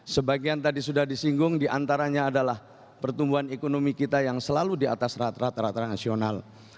sebagian tadi sudah disinggung diantaranya adalah pertumbuhan ekonomi kita yang selalu di atas rata rata nasional